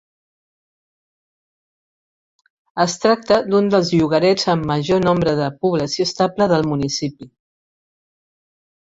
Es tracta d'un dels llogarets amb major nombre de població estable del municipi.